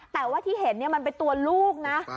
แต่ว่าที่เห็นมันเป็นตัวลูกนะ